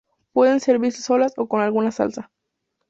Pueden servirse solas o con alguna salsa.